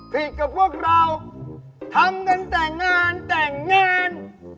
กับพวกเราทำกันแต่งงานแต่งงาน